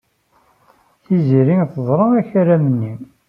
Tiziri teẓra akaram-nni.